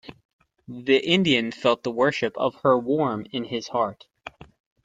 The Indian felt the worship of her warm in his heart.